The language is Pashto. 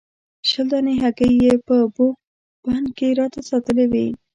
شل دانې هګۍ یې په بوغ بند کې راته ساتلې وې.